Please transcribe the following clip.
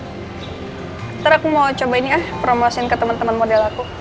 nanti aku mau cobain ah promosiin ke teman teman model aku